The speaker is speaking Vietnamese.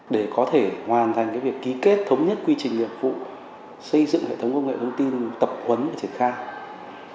để có thể hoàn thành việc ký kết thống nhất quy trình nghiệp vụ xây dựng hệ thống công nghệ thông tin tập huấn và triển khai